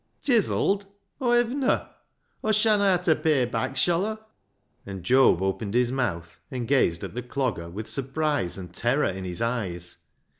" Chizelled ! Aw hevna — Aw shanna ha' ta pay back, shall Aw?" And Job opened his mouth, and gazed at the Clogger with surprise and terror in his eyes.